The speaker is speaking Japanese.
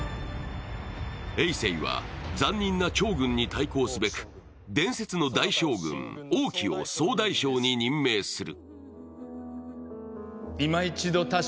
えい政は残忍な趙軍に対抗すべく伝説の大将軍・王騎を総大将に任命する。